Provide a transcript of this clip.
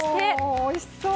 おおおいしそう！